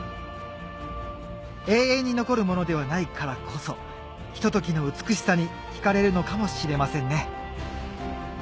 永遠に残るものではないからこそひとときの美しさに引かれるのかもしれませんね